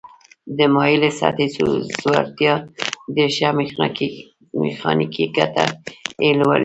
د مایلې سطحې ځوړتیا ډیره شي میخانیکي ګټه یې لږیږي.